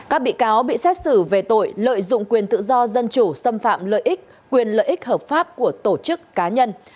các bị cáo bị xét xử về tội lợi dụng quyền tự do dân chủ xâm phạm lợi ích quyền lợi ích hợp pháp của tổ chức cá nhân